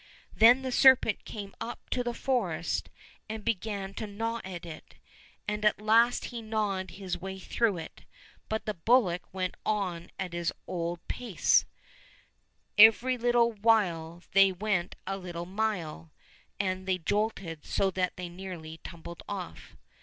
Then the serpent came up to the forest and began to gnaw at it ; and at last he gnawed his way right through it. But the bullock went on at his old pace : every little while they went a little mile, and they jolted so that they nearly tumbled off.